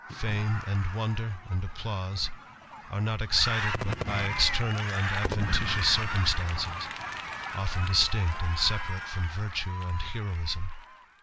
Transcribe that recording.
Fame, and wonder, and THE RAMBLER. applause, are not excited but by external and adventitious circumstances, often distinct and separate from virtue and heroism.